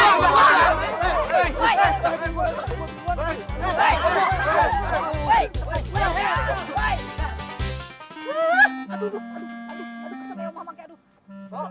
aduh aduh aduh